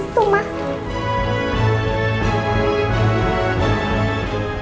sini tuh mah